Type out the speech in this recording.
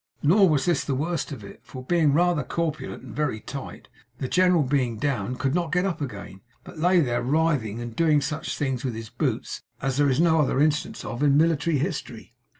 Nor was this the worst of it; for being rather corpulent and very tight, the general being down, could not get up again, but lay there writhing and doing such things with his boots, as there is no other instance of in military history.